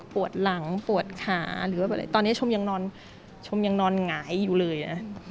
ปวดหลังปวดขาตอนนี้ชมยังนอนหงายอยู่เลยนะ